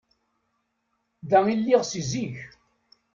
Da i lliɣ si zik.